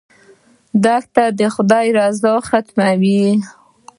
• دښمني د خدای رضا ختموي.